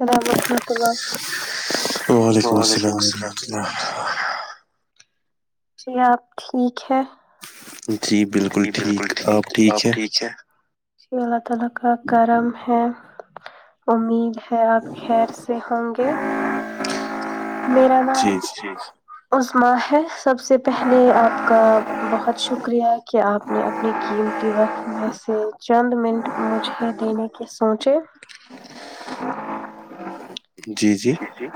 اللام حمۃ اللہ وعلیکم السلام ورحمۃ اللہ جی آپ ٹھیک ہے جی جی بالکل ٹھیک آپ ٹھیک ہے اللہ تعالی کا کرم ہے امید آپ خیر سے ہوں گے میرا نام عثماں ہے سب سے پہلے آپ کا بہت شکریہ آپ نے اپنی قیمتی وقت میں سے چند منٹ مجھے دینے کے ساتھ سوونچے [unintelligible] جی جی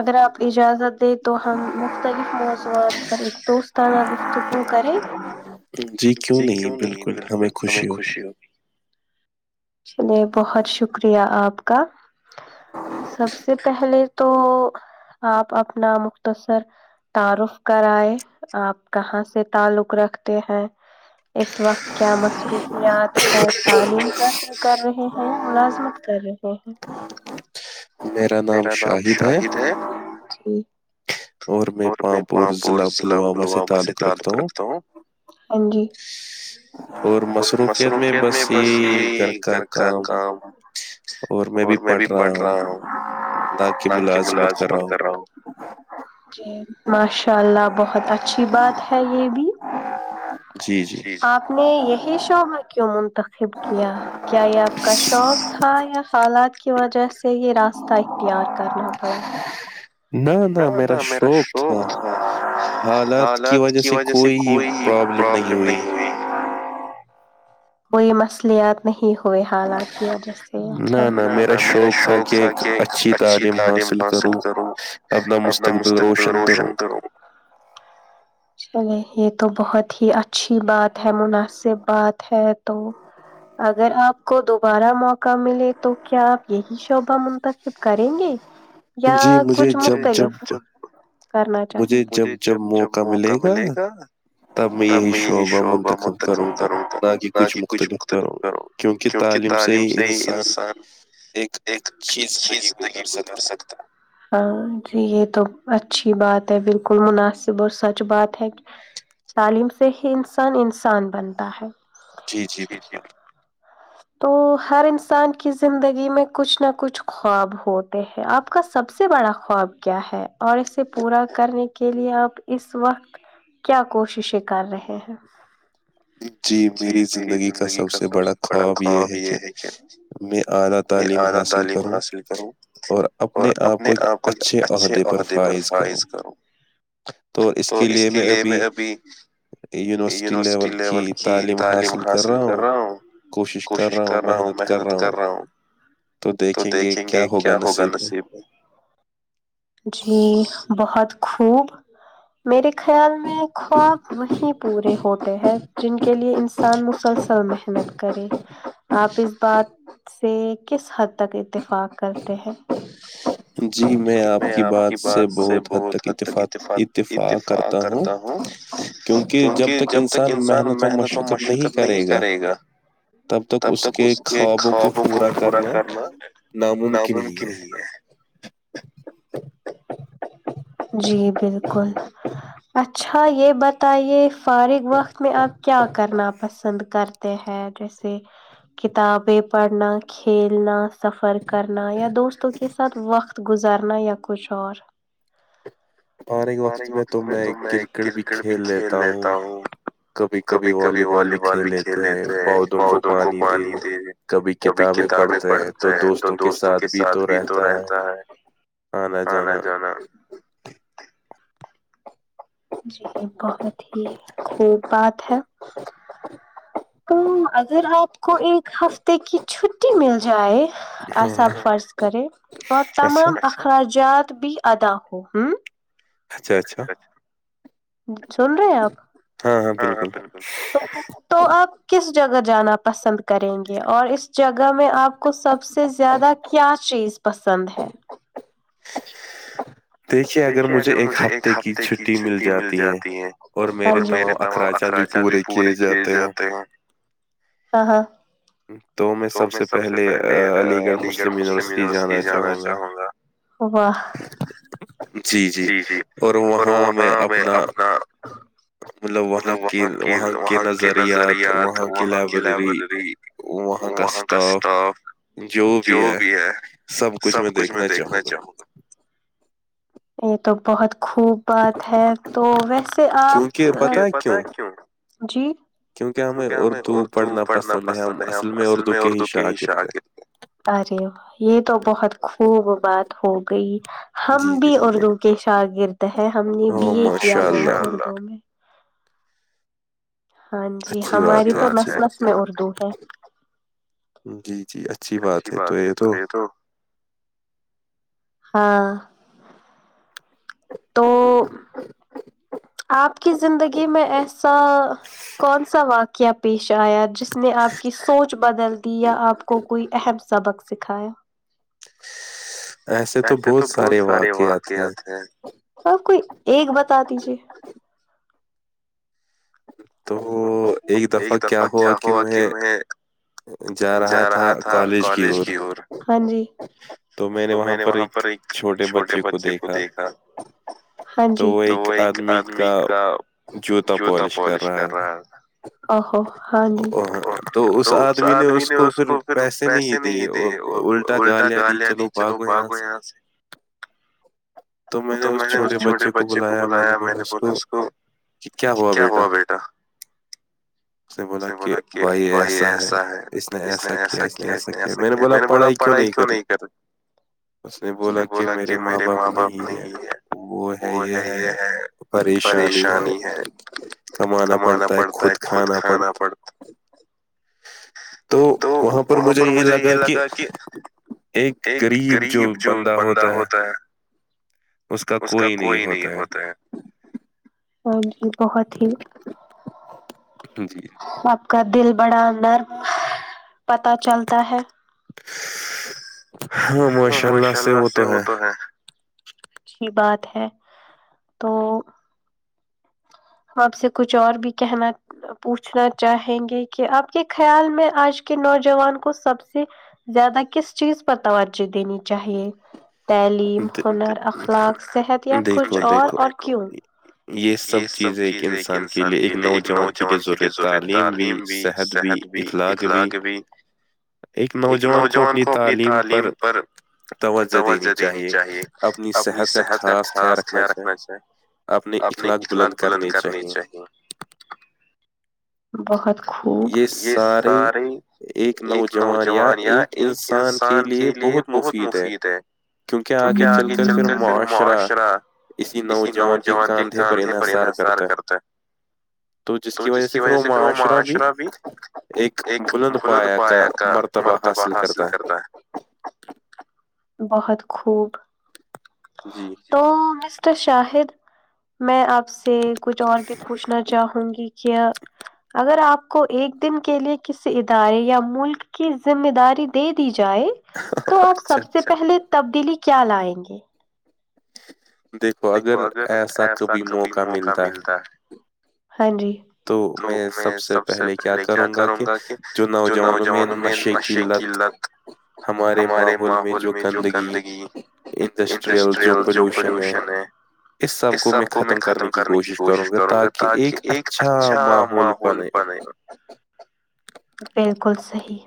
اگر آپ اجازت دیں تو ہم مختلف موضوعات پر ایک دوستانہ گفتگو کر جی کیوں نہیں بالکل ہمیں خوشی ہوگی چلیے بہت شکریہ آپ کا سب سے پہلے تو آپ اپنا مختصر تعارف کرائے آپ کہاں سے تعلق رکھتے ہیں اس وقت کیا مصروفیات ہیں تعلیم کا کر رہے ہیں یا ملازمت کر رہے ہیں میرا نام شاہد ہے ج اور میں پامپور ضع پلوامہ سے تعلق رکھتا ہوں جی مصروفیت میں بس یہی گھر کا کام اور میں بھی پڑھ رہا ہوں ت کہ ملازمت کر رہا ہوں جی ماشاء اللہ بہت اچھی بات ہے یہ بھی آپ نے یہی شوبر کیوں منتخب کیا کیا یہ آپ کا شوق تھا یا سالات کی وجہ سے یہ راستہ اختیار کرنا پڑا نہ نہ میرا شوق تھا حالات کی وجہ سے کوئی پرابلم نہیں ہوئی وہی اصلیات نہیں ہوئے حالات کی وجہ سے اچھا ما شوق تھا کہ اچھی تعلیم حاصل کرو اپنا مستقبل روشن کرو چلے یہ تو بہت ہی اچھی بات ہے مناسب بات ہے تو اگر آپ کو دوبارہ موقع ملے تو کیا آپ یہی شعبہ منتخب کریں گے یا کچھ مختلف کرنا چاہیں مجھے جب جب موقع ملے گا تب میں یہی شعبہ منتخب کروں گا نہ کہ کچھ مختلف کرو کیونکہ تعلیم سے ہی انسان ایک اچھی زندگی گزر سکتا ہاں جی یہ تو اچھی بات ہے بالکل مناسب اور سچ بات ہے کہ تعلیم سے ہی انسان انسان بنتا ہے ج ج تو ہر انسان کی زندگی میں کچھ نہ کچھ خواب ہوتے ہیں آپ کا سب سے بڑا خواب کیا ہے اور اسے پورا کرنے کے لیے آپ اس وقت کیا کوششیں کر رہے ہیں جی میری زندگی کا سب سے بڑا خواب یہ ہے کہ میں اعلی تعلیم حاصل کروں اور اپنے اپ کوئی اچھے عہدے پر فائز کرو تو اس کے لیے میں ابھی یونیورسٹی لیول کے کہ تعلیم حاصل کر رہا ہوں کوشش کر رہا ہوں محنت کر رہا ہوں تو دیکھیں گے کیا ہوگا نصیب میں جی بہت خوب میرے خیال میں خواب وہیں پورے ہوتے ہیں جن کے لیے انسان مسلسل محنت کرے آپ اس بات سے کس حد تک اتفاق کرتے ہیں جی میں آپ کی بات سے بہت حد تک اتفاق کرتا ہوں کیونکہ جب تک انسان محنت و مشقت نہیں کرے گا تب تک اس کے خوابوں کو پورا کرنا ناممکن ہی ہے [unintelligible] جی بالکل اچھا یہ بت تائی یہ فارغ وقت میں اب کیا کرنا پتا پسند کرتے ہیں جیسے کتابیں پڑھنا کھیلنا سفر کرنا یا دوستوں کے ساتھ وقت گزارنا یا کچھ اور باریک وقت میں تو میں کرکٹ بھی کھیل لیتا ہوں کبھی کبھی والی بال بھی کھیل لیتے ہیں پودوں کو پانی د کبھی کتابیں پڑھتے ہیں تو دوستوں کے ساتھ بھی تو رہتا ہے انا جانا جی بہت ہی خوب بات ہے تو اگر آپ کو ایک ہفتے کی چھٹی مل جائے سا فرض کرے اور تمام اخراجات بھی ادا ہو ہوں اچھا اچھا سن رہے ہیں آپ ہاں ہاں بالکل تو آپ کس جگہ جانا پسند کریں گے اور اس جگہ میں آپ کو سب سے زیادہ کیا چیز پسند ہے دیکھیے اگر مجھے ایک ہفتے کی چھٹی مل جاتی ہے اور میرے تمام اخراجات بھی پورے کیے جاتے ہیں ہاں ہاں تو میں سب سے پہلے علی گڑھ مسلم یونیورسٹی جانا چاہوں گا جی جی اور وہاں میں اپنا مطلب وہاں کی وہاں کے نظریات وہاں کی لائبریری وہاں کا اسٹاپ جو بھی ہے سب کچھ میں دیکھنا چاہوں گا یہ تو بہت [unintelligible] خوب بات ہے تو ویسے آپ جی کیونکہ ہمیں اردو پڑھنا پسند ہے ہم اصل میں اردو کے ہی شااکرد ارے یہ تو بہت خوب بات ہو گئی ہم بھی اردو کے شاگررد ہیں ہم نے بی اے کیا ہوا اردو میں ہاں جی ہماری تو نس نس میں اردو ہے جی جی اچھی بات ہے تو یہ تو ہاں تو آپ کی زندگی میں ایسا کون سا واقعہ پیش آیا جس نے آپ کی سوچ بدل دی یا آپ کو کوئی اہم سبق سکھایا ایسے تو بہت سارے واقعات ہیں کو ایک بتا دیجے [unintelligible] تو ایک دفعہ کیا ہوا کہ میں جا رہا تھا کالج کی اور ہ جی [unintelligible] تو میں نے وہاں پر ایک چھوٹے بچے کو دیکھا ہاں جی تو وہ ایک آدمی کا جوتا پالش کر رہا ہے او ہاں جی تو آمی نے اس کو پھر پیسے نہیں دیے وہ الٹا گالیا دی چلو باگو یہاں سے [unintelligible] تو میں نے اس چھوٹے بچے کو بلایا میں نے بولا اس کو کہ کیا ہوا بیٹا [unintelligible] سے بولا کہ بھائی ایسا ہے [unintelligible] اس نے ایسا کیا اس نے ایسا کیا میں نے بولا پڑھائی کیوں نہیں کری اس نے بولا کہ میرے ماں باپ نہیں ہے وہ ہے یہ ہے [unintelligible] [unintelligible] پریشانی ہے کمانا پڑتا ہے خود کھانا پڑتا تو وہاں پر مجھے یہ لگا کہ [unintelligible] ایک غریب جو بندہ ہوتا ہے [unintelligible] اس کا کوئی نہیں ہوتا ہے ہاں جی بہت ہی [unintelligible] ج جی [inaudible] کا دل بڑا نرم پتا چلتا ہے ماشاء اللہ سے وہ تو ہے اچھی بات ہے تو [unintelligible] آپ سے کچھ اور بھی کہنا [unintelligible] پوچھنا چاہیں گے کہ آپ کے خیال میں آج کے نوجوان کو سب سے زیادہ کس چیز پر توجہ دینی چاہیے تعلیم ہنر اخلاق صحت یا کچھ اور اور کیوں یہ سب چیزیں ایک انسان کے لیے ایک نوجوان کے لیے ضروری تعلیم بھی صحت بھی بھی اکھلا کے بھی [unintelligible] ایک نوجوان کو اپنی تعلیم پر توجہ [unintelligible] دینی چاہیے اپنی صحت کا خاص خیال رکھنا چاہیے [unintelligible] اپنے اخلاق بلند کرنے چاہی بہت [unintelligible] [unintelligible] خوب یہ سارے ایک نوجوان یا ایک انسان کے لیے بہت مفید ہے [unintelligible] کیونکہ آگے چل کر پھر معاشرہ اسی نوجوان کے کاندھے پر انحصار کرتا ہے تو جس کی وس پھر وہ معاشرہ بھی ایک بلند پایا کا مرتبہ حاصل کرتا ہے بہت خوب تو مسٹر شاہد میں آپ آپ سے کچھ اور بھی پوچھنا چاہوں گی کہ اگر آپ کو ایک دن کے لیے کسی ادارے یا ملک کی ذمہ داری دے دی جائے تو آپ سب سے پہلے تبدیلی کیا لائیں گے دیکو اگر ایسا کب موق ملتا ہے ہ جی تو میں سب سے پہلے کیا کروں گا کہ جو نوجوانوں میں نشے کی لت ہمارے ماحول میں جو گندگی انڈسٹریل جو پولوشن ہے اس سب کو میں ختم کرنے کی کوشش کروں گا تاکہ ایک اچھا محول بنے بالکل صحیح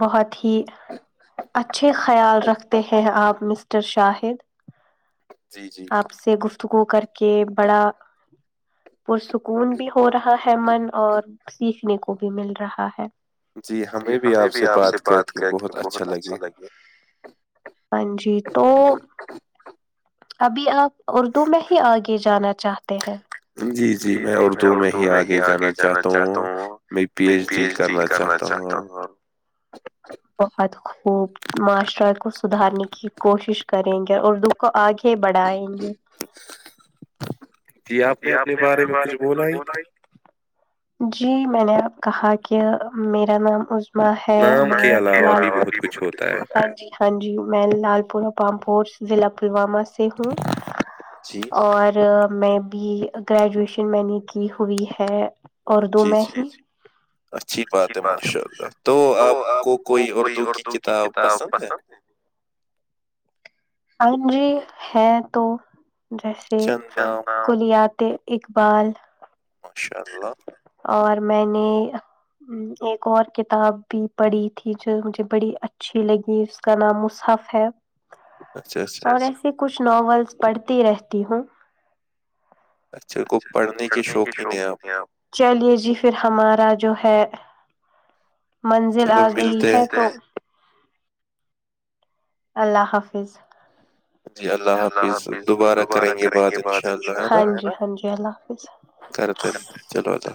بہت ہی اچھے خیال رکھتے ہیں آپ مسٹر شاہد آپ سے گفتگو کر کے بڑا پرسکون بھی ہو رہا ہے من اور سیکھنے کو بھی مل رہا ہے جی ہمیں بھی آپ سے بات کر کے بہت اچھا لگے ہاں جی تو ابھی آپ اردو میں ہی آگے جانا چاہتے ہیں جی جی میں اردو میں ہی آگے جانا چاہتا ہوں میں پی ایچ ڈی کرنا اہتا ہوں بہت خوب معاشرہ کو سدھارنے کی کوشش کریں گے اور اردو کو آگے بڑھائیں گے جی آپ نے اپنے بارے میں کچھ بولا ہی نہیں جی میں نے اب کہا کہ میرا نام ا اں ہے بت کچھ ہاں جی ہاں جی میں لال پورا پامپور ضلع پلوامہ ہوں اور میں ابھی گریجویشن میں نے کی ہوئی ہے اردو میں ہی اچھی بات ہے تو آپ کو کوئی اردو کی کتاب پسند ہے ان جی ہے تو جیسے کلیات اقبال ماشاء اللہ اور میں نے ایک اور کتاب بھی پڑھی تھی جو مجھے بڑی اچھی لگی کا نام مصحف ہے اور ایسے کچھ ناولس پڑھتی رہتی ہوں اچھا کو پڑھنے کے شوق ہی نہیں ہیں آپ کو چلیے جی پھر ہمارا جو ہے منزل آ گئی ہے تو اللہ حافظ اللہ حافظ دوبارہ کریں گے بد ان شاء اللہ ہ جی ہ جی اللہ حافظ کرنے چلو آ تھا